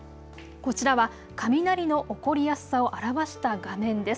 こちらは雷の起こりやすさを表した画面です。